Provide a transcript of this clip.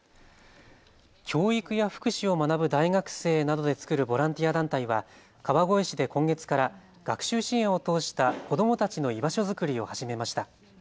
教育や福祉を学ぶ大学生などで作るボランティア団体は川越市で今月から学習支援を通した子どもたちの居場所作りを始めました。